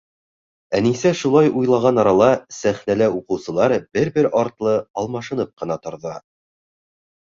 Әнисә шулай уйланған арала, сәхнәлә уҡыусылар бер-бер артлы алмашынып ҡына торҙо.